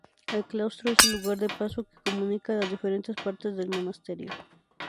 El claustro es el lugar de paso que comunica las diferentes partes del monasterio.